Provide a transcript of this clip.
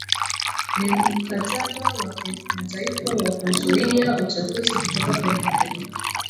Ni Mkataba wa Kimataifa wa Kuzuia Uchafuzi kutoka kwenye Meli